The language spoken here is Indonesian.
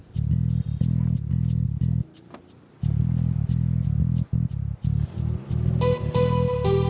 tunggu tunggu tunggu